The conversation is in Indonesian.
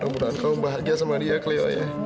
semoga kamu bahagia sama dia cleo ya